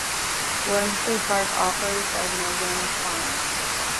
Wormsley Park operates as an organic farm.